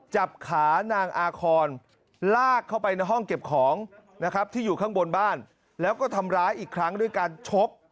จับขานางอาคอนลากเข้าไปในห้องเก็บของนะครับที่อยู่ข้างบนบ้านแล้วก็ทำร้ายอีกครั้งด้วยการชก